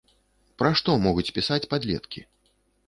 Пра што могуць пісаць падлеткі?